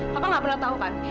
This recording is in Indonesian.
papa gak pernah tahu kan